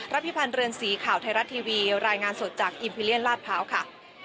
พิพันธ์เรือนสีข่าวไทยรัฐทีวีรายงานสดจากอิมพิเลียนลาดพร้าวค่ะ